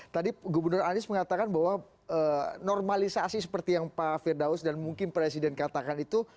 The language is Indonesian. tadi gubernur anies mengatakan bahwa normalisasi seperti yang pak firdaus dan mungkin presiden katakan itu